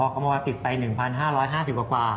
อ๋อกรณวัลปิดไป๑๕๕๐กว่า